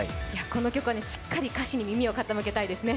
この曲はしっかりと歌詞に耳を傾けたいですね。